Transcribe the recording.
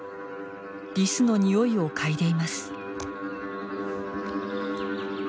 リスのニオイを嗅いでいます。